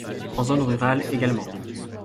En zone rurale également.